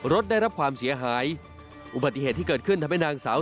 รถได้รับความเสียหายอุบัติเหตุที่เกิดขึ้นทำให้นางสาว